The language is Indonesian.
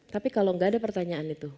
tapi kalau nggak ada pertanyaan itu